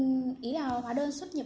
hai là hóa đơn đỏ